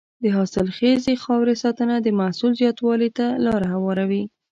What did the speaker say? د حاصلخیزې خاورې ساتنه د محصول زیاتوالي ته لاره هواروي.